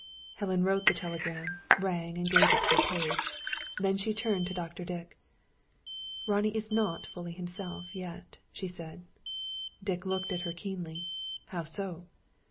Helen wrote the telegram, rang, and gave it to a page. Then she turned to Dr. Dick. "Ronnie is not fully himself, yet," she said. Dick looked at her keenly. "How so?"